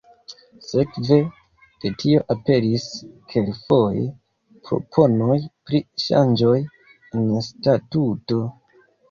Sekve de tio aperis kelkfoje proponoj pri ŝanĝoj en statuto.